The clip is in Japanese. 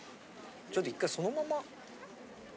ちょっと１回そのまま。